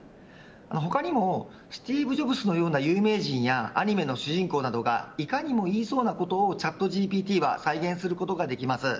他にもスティーブ・ジョブズのような有名人やアニメの主人公などがいかにも言いそうなことをチャットＧＰＴは再現することができます。